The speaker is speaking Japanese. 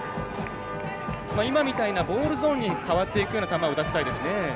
今みたいなボールゾーンに変わっていくような球を打たせたいですね。